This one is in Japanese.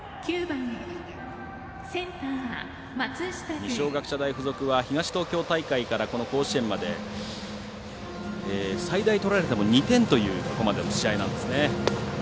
二松学舎大付属は甲子園まで最大、取られても２点という、ここまでの試合なんですね。